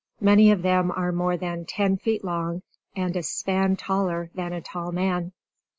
Many of them are more than ten feet long, and a span taller than a tall man.